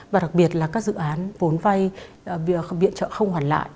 và đặc biệt là các dự án vốn vay viện trợ không hoàn lại